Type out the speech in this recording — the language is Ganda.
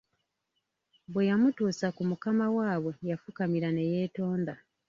Bwe yamutuusa ku mukama waabwe yafukamira ne yeetonda.